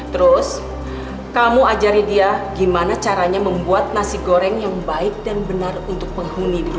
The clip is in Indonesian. lalu kamu ajarin dia bagaimana caranya membuat nasi goreng yang baik dan benar untuk penghutus